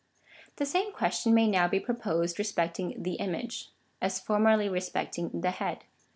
The same question may now be proposed respecting the image, as formerly respecting the head.